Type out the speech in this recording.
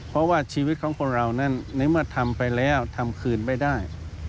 เพราะว่าชีวิตของคนเรานั้นในเมื่อทำไปแล้วทำคืนไม่ได้